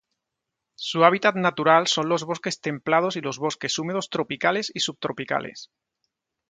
Su hábitat natural son los bosques templados y los bosques húmedos tropicales y subtropicales.